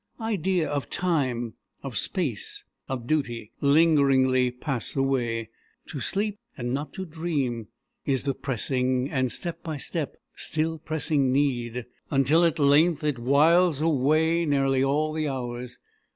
Idea of time, of space, of duty, lingeringly pass away. To sleep and not to dream is the pressing and, step by step, still pressing need; until at length it whiles away nearly all the hours.